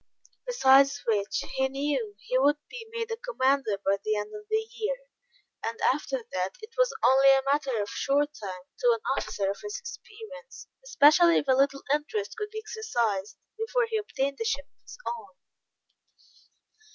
Besides which, he knew he would be made a commander by the end of the year, and after that, it was only a matter of short time, to an officer of his experience, especially if a little interest could be exercised, before he obtained a ship of his own.